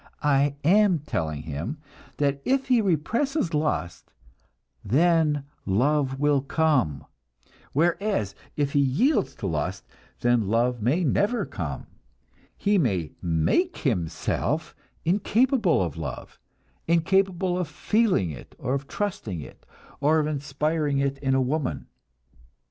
I am telling him that if he represses lust, then love will come; whereas, if he yields to lust, then love may never come, he may make himself incapable of love, incapable of feeling it or of trusting it, or of inspiring it in a woman.